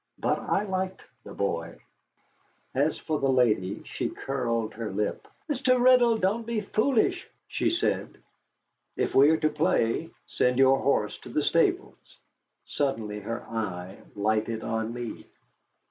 But I liked the boy. As for the lady, she curled her lip. "Mr. Riddle, don't be foolish," she said. "If we are to play, send your horse to the stables." Suddenly her eye lighted on me.